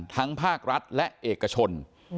ทั้งภาครัฐและเอกชน